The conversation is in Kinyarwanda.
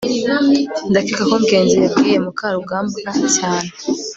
ndakeka ko ngenzi yabwiye mukarugambwa cyane